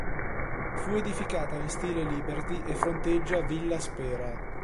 Fu edificata in stile liberty e fronteggia Villa Spera.